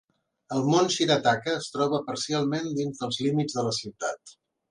El mont Shirataka es troba parcialment dins dels límits de la ciutat.